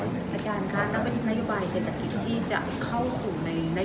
มันมีเรื่องอะไรขึ้นอยู่ก็จะบอกให้